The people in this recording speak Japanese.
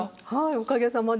おかげさまで。